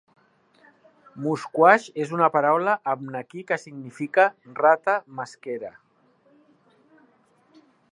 Musquash és una paraula abnaki que significa "rata mesquera".